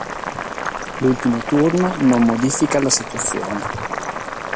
L'ultimo turno non modifica la situazione.